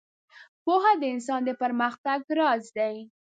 • پوهه د انسان د پرمختګ راز دی.